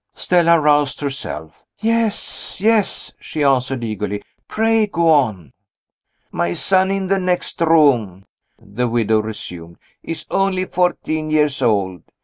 Stella roused herself. "Yes! yes!" she answered, eagerly. "Pray go on!" "My son in the next room," the widow resumed, "is only fourteen years old.